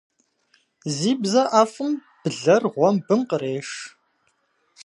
Зи бзэ IэфIым блэр гъуэмбым къреш.